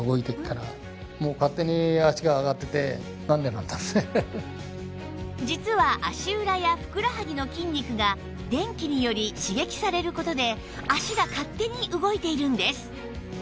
そこで実は足裏やふくらはぎの筋肉が電気により刺激される事で脚が勝手に動いているんです